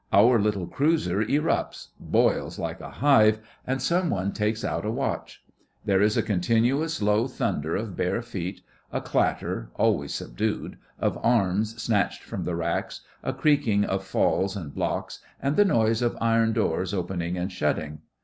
Our little cruiser erupts—boils like a hive—and some one takes out a watch. There is a continuous low thunder of bare feet, a clatter, always subdued, of arms snatched from the racks, a creaking of falls and blocks, and the noise of iron doors opening and shutting.